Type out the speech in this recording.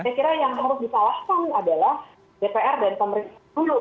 saya kira yang harus disalahkan adalah dpr dan pemerintah dulu